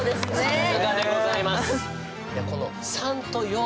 さすがでございます。